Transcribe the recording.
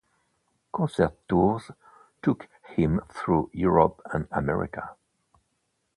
Concert tours took him through Europe and America.